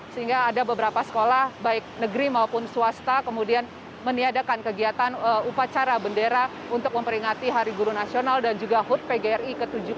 sehingga ada beberapa sekolah baik negeri maupun swasta kemudian meniadakan kegiatan upacara bendera untuk memperingati hari guru nasional dan juga hood pgri